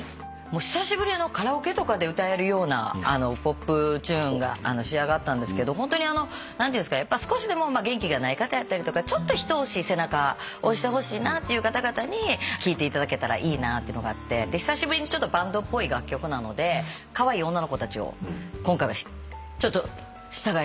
久しぶりのカラオケとかで歌えるようなポップチューンが仕上がったんですけどホントに少しでも元気がない方やったりとかちょっと一押し背中押してほしいなっていう方々に聴いていただけたらいいなってのがあって久しぶりにバンドっぽい楽曲なのでカワイイ女の子たちを今回はちょっと従えて。